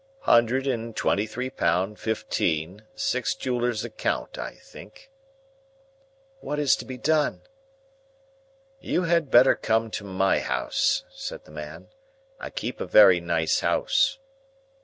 "Hundred and twenty three pound, fifteen, six. Jeweller's account, I think." "What is to be done?" "You had better come to my house," said the man. "I keep a very nice house."